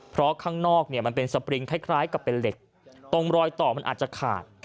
เพราะข้างนอกมันเป็นสปริงคล้ายกับเป็นเหล็กตรงรอยต่อมันอาจจะขาด